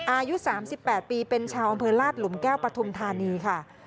อายุ๓๘ปีเป็นชาวอำเภอลาดหลุมแก้วปฐุมธานีค่ะ